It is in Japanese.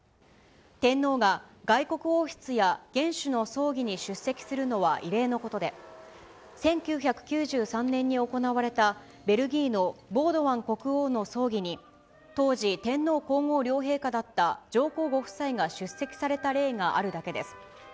天皇が外国王室や元首の葬儀に出席するのは異例のことで、１９９３年に行われたベルギーのボードワン国王の葬儀に、当時、天皇皇后両陛下だった上皇ご夫妻が出席された例があるだけです。